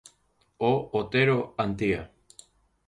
O, Otero, Antía: